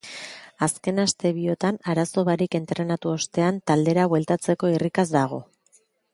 Azken aste biotan arazo barik entrenatu ostean taldera bueltatzeko irrikaz dago.